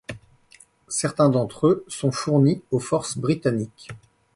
Certains d'entre eux sont fournis aux forces britanniques.